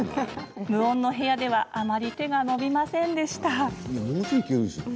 無音の部屋ではあまり手が伸びませんでした。